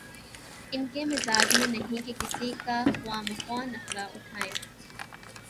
ان کے مزاج میں نہیں کہ کسی کا خواہ مخواہ نخرہ اٹھائیں۔